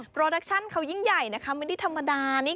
โรดักชั่นเขายิ่งใหญ่นะคะไม่ได้ธรรมดานี่